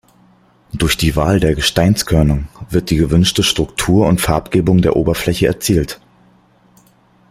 Durch die Wahl der Gesteinskörnung wird die gewünschte Struktur und Farbgebung der Oberfläche erzielt.